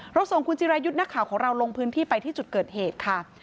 ส่งคุณจิรายุทธ์นักข่าวของเราลงพื้นที่ไปที่จุดเกิดเหตุค่ะ